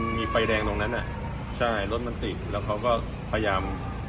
มีไฟแดงตรงนั้นอ่ะใช่รถมันติดแล้วเขาก็พยายาม